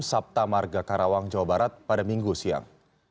sabta marga karawang jawa barat pada minggu siang